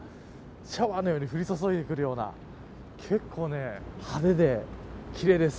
シャワーのように降り注いでくるような結構派手で奇麗です。